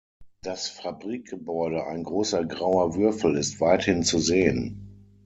Das Fabrikgebäude, ein großer grauer Würfel, ist weithin zu sehen.